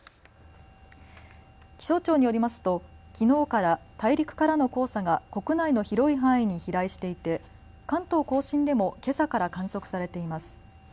気象庁によりますときのうから大陸からの黄砂が国内の広い範囲に飛来していて関東甲信でもけさから観測されています。